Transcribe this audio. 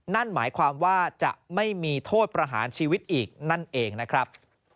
นั่นหมายความว่าจะไม่มีโทษประหารชีวิตอีกนั่นเองนะครับ